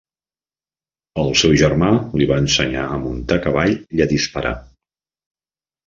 El seu germà li va ensenyar a muntar a cavall i a disparar.